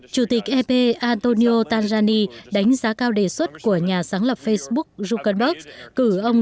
chủ tịch ep antonio tarzani đánh giá cao đề xuất của nhà sáng lập facebook zuckerberg cử ông